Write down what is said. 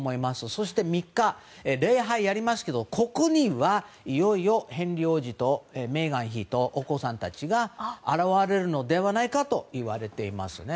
そして、３日に礼拝をやりますがここには、いよいよヘンリー王子とメーガン妃とお子さんたちが現れるのではないかといわれています。